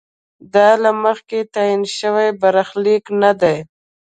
دا له مخکې تعین شوی برخلیک نه دی.